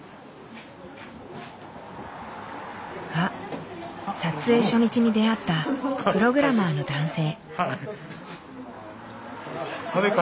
あっ撮影初日に出会ったプログラマーの男性。